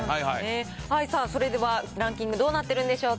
それではランキング、どうなってるんでしょうか。